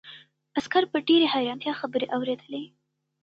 عسکر په ډېرې حیرانتیا خبرې اورېدلې.